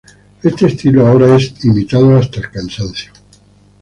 Este estilo ahora es imitado hasta el cansancio.